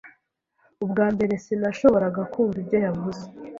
Ubwa mbere, sinashoboraga kumva ibyo yavuze.